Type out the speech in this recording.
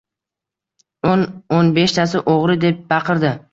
O‘n-o‘n beshtasi o‘g‘ri deb baqirdi.